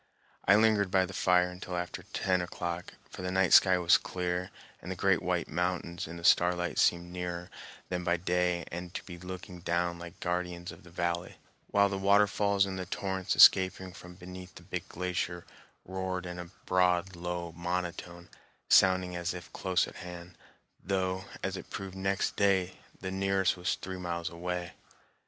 I lingered by the fire until after ten o'clock, for the night sky was clear, and the great white mountains in the starlight seemed nearer than by day and to be looking down like guardians of the valley, while the waterfalls, and the torrents escaping from beneath the big glacier, roared in a broad, low monotone, sounding as if close at hand, though, as it proved next day, the nearest was three miles away.